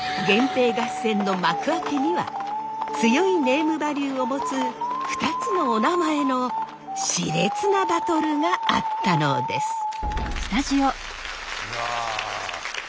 源平合戦の幕開けには強いネームバリューを持つ２つのおなまえのしれつなバトルがあったのです。